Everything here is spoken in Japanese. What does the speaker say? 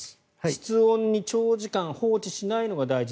室温に長時間放置しないことが大事。